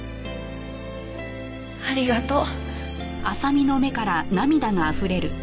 ありがとう。